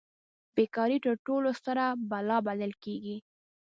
بې کاري تر ټولو ستره بلا بلل کیږي.